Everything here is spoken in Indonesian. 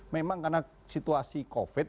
memang karena situasi covid